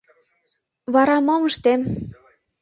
Вара мом ыштем?